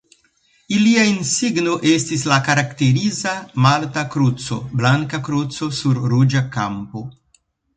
Ilia insigno estis la karakteriza malta kruco, blanka kruco sur ruĝa kampo.